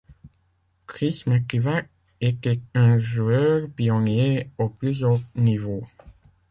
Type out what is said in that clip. Chris McKivat était un joueur pionnier au plus haut niveau.